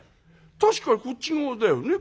確かこっち側だよね？